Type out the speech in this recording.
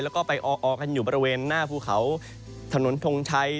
แล้วก็ไปออกันอยู่บริเวณหน้าภูเขาถนนทงชัย